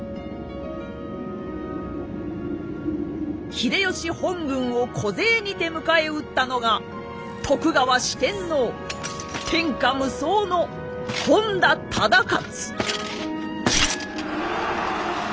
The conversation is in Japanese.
秀吉本軍を小勢にて迎え撃ったのが徳川四天王天下無双の本多忠勝！